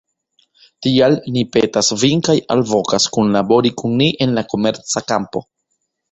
Tial, ni petas vin kaj alvokas, kunlabori kun ni en la komerca kampo.